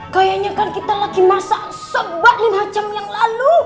ternyata kita lagi masak sobat lima jam yang lalu